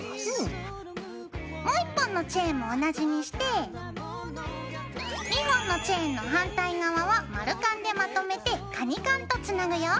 もう１本のチェーンも同じにして２本のチェーンの反対側は丸カンでまとめてカニカンとつなぐよ。